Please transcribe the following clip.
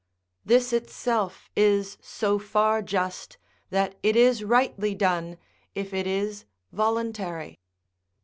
["This itself is so far just, that it is rightly done, if it is voluntary."